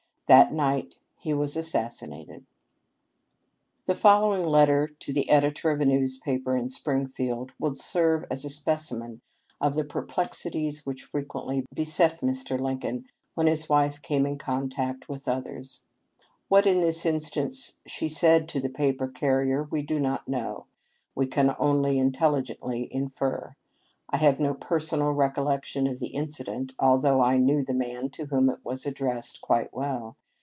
That night he was assassinated. The following letter to the editor of a newspaper in Springfield will serve as a specimen of the per Ttik LIP£ OF UNCOLN. 429 plexities which frequently beset Mr. Lincoln when his wife came in contact with others. What in this instance she said to the paper carrier we do not know ; we can only intelligently infer. I have no personal recollection of the incident, although I knew the man to whom it was addressed quite well.